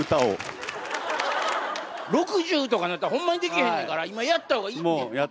６０とかなったらホンマにできへんねんから今やった方がいいって。